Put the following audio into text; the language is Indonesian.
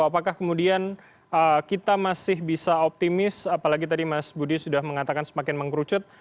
apakah kemudian kita masih bisa optimis apalagi tadi mas budi sudah mengatakan semakin mengkerucut